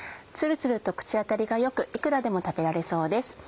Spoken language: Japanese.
ツルツルと口当たりが良くいくらでも食べられそうです。